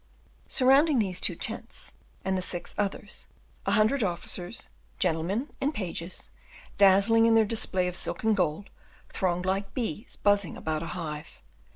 Surrounding these two tents, and the six others, a hundred officers, gentlemen, and pages, dazzling in their display of silk and gold, thronged like bees buzzing about a hive.